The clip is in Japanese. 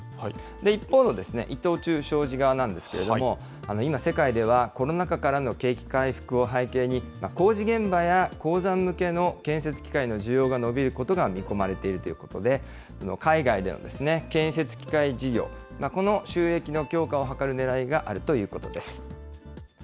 一方の伊藤忠商事側なんですけれども、今、世界ではコロナ禍からの景気回復を背景に、工事現場や鉱山向けの建設機械の需要が伸びることが見込まれているということで、海外での建設機械事業、この収益の強化を図るねらいがあるということです。